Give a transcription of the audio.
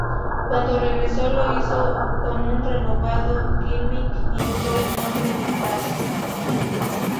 Cuando regresó, lo hizo con un renovado gimmick y usó el nombre de "'Taz".